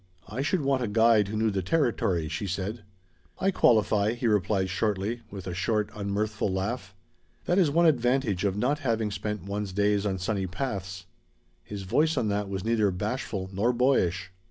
"I should want a guide who knew the territory," she said. "I qualify," he replied shortly, with a short, unmirthful laugh. "That is one advantage of not having spent one's days on sunny paths." His voice on that was neither bashful nor boyish.